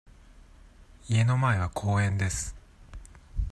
家の前は公園です。